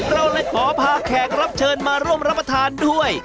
เราเลยขอพาแขกรับเชิญมาร่วมรับประทานด้วย